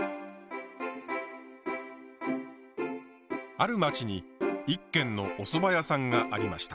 ある町に一軒のおそば屋さんがありました。